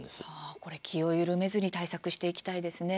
これ気を緩めずに対策していきたいですね。